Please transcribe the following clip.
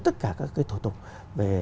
tất cả các cái thủ tục về